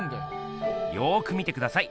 よく見てください。